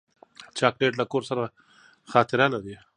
چاکلېټ له کور سره خاطره لري.